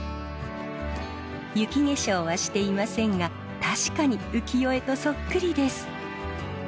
雪化粧はしていませんが確かに浮世絵とそっくりです。